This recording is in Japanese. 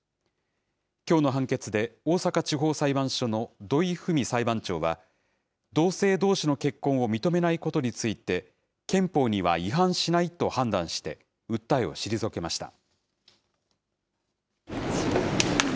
きょうの判決で、大阪地方裁判所の土井文美裁判長は、同性どうしの結婚を認めないことについて、憲法には違反しないと判断して、訴えを退けました。